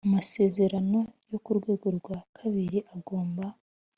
amasezerano yo ku rwego rwa kabiri agomba